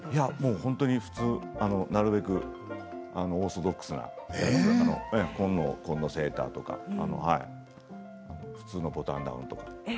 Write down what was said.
本当に普通、なるべくオーソドックスな紺のセーターとか普通のボタンダウンとか。